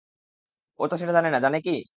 ও তো সেটা জানে না, জানে কি?